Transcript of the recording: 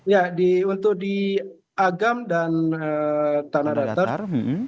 ya untuk di agam dan tanah retter